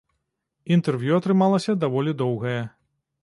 Інтэрв'ю атрымалася даволі доўгае.